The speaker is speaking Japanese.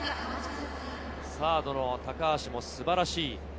サードの高橋も素晴らしい。